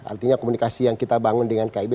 artinya komunikasi yang kita bangun dengan kib